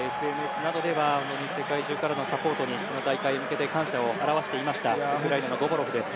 ＳＮＳなどでは世界中からのサポートに感謝を表していましたウクライナのゴボロフです。